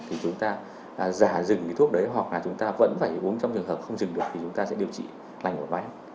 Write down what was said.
thì chúng ta giả dừng cái thuốc đấy hoặc là chúng ta vẫn phải uống trong trường hợp không dừng được thì chúng ta sẽ điều trị lành một bánh